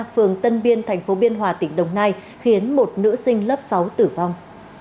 phường tân biên tp biên hòa tỉnh đồng nai khiến một nữ sinh lớp sáu tử vong